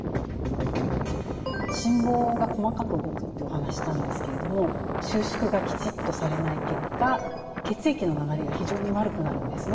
心房が細かく動くっていうお話なんですけれども収縮がきちっとされない結果血液の流れが非常に悪くなるんですね。